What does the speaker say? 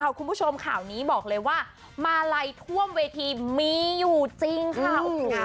คุณผู้ชมข่าวนี้บอกเลยว่ามาลัยท่วมเวทีมีอยู่จริงค่ะโอ้โห